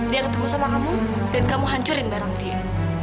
dia ketemu sama kamu dan kamu hancurin barang dia